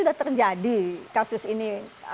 sudah terjadi kasus ini